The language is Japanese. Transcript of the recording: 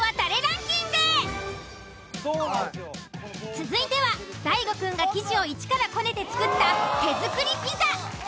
続いては大悟くんが生地をイチからこねて作った手作りピザ。